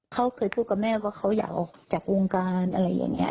เขาเคยพูดกับแม่ว่าเขาอยากออกจากวงการอะไรอย่างนี้